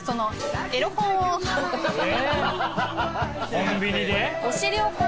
コンビニで？